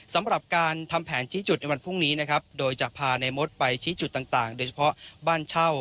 สำหรับการทำแผนชี้จุดในวันพรุ่งนี้นะครับโดยจะพาในมดไปชี้จุดต่างโดยเฉพาะบ้านเช่า